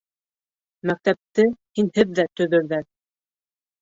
Мәктәпте һинһеҙ ҙә төҙөрҙәр.